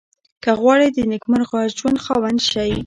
که غواړئ د نېکمرغه ژوند خاوند شئ.